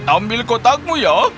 ambil kotakmu ya